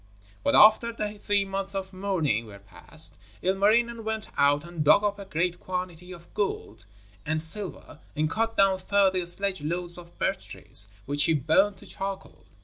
But after the three months of mourning were past, Ilmarinen went out and dug up a great quantity of gold and silver and cut down thirty sledge loads of birch trees, which he burnt to charcoal.